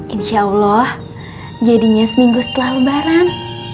insya allah jadinya seminggu setelah lebaran